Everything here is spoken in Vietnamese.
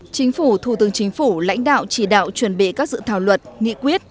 chính phủ thủ tướng chính phủ lãnh đạo chỉ đạo chuẩn bị các dự thảo luật nghị quyết